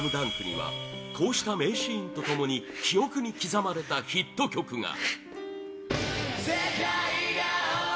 「ＳＬＡＭＤＵＮＫ」にはこうした名シーンとともに記憶に刻まれたヒット曲が！